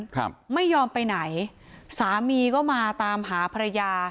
ครับไม่ยอมไปไหนสามีก็มาตามหาภรรยา